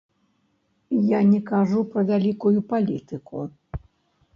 Я не кажу пра вялікую палітыку.